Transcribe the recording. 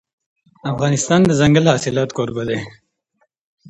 افغانستان د دځنګل حاصلات کوربه دی.